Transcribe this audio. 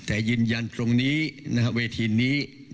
แต่ยืนยันตรงนี้เวทีนี้